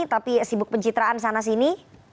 tapi sibuk pencitraan sana sini